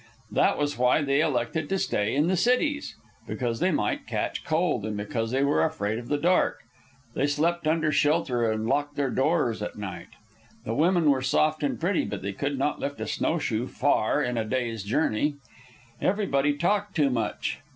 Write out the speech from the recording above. That was why they elected to stay in the cities. Because they might catch cold and because they were afraid of the dark, they slept under shelter and locked their doors at night. The women were soft and pretty, but they could not lift a snowshoe far in a day's journey. Everybody talked too much.